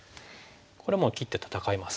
これもう切って戦います。